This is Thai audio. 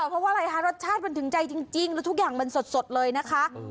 เพราะว่าอะไรคะรสชาติมันถึงใจจริงแล้วทุกอย่างมันสดเลยนะคะ